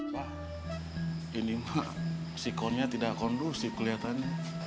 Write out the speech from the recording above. pak ini mak si kondusif kelihatannya